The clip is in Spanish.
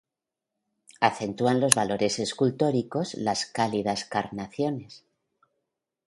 Acentúan los valores escultóricos las cálidas carnaciones.